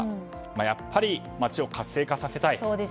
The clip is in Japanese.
やっぱり、町を活性化させたい。